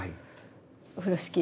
風呂敷。